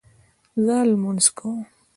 زه لمونځ کوم